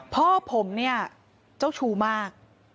พ่อผมเจ้าชู้มาก